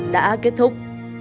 đã kết thúc